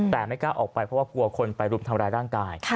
แต่ไม่กล้าออกไปเพราะว่ากลัวคนไปรุมทำร้ายร่างกาย